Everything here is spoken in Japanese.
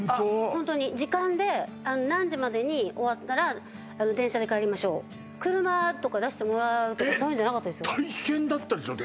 ホントに時間で何時までに終わったら電車で帰りましょう車とか出してもらうとかそういうんじゃなかったですよ大変だったでしょう